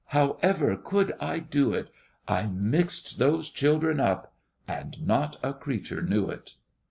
However could I do it? I mixed those children up, And not a creature knew it!